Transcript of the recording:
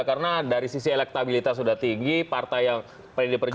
karena dari sisi elektabilitas sudah tinggi partai yang paling diperjuangkan juga punya tiket sendiri